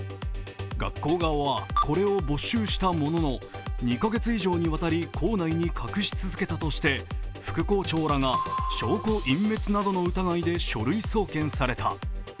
学校側はこれを没収したものの、２カ月以上にわたり校内に隠し続けたとして副校長らが証拠隠滅などの疑いで書類送検された。